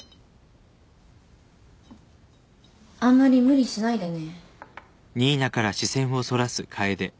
あんまり無理しないでね。